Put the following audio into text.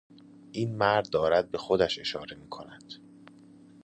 این مرد دارد به خودش اشاره میکند.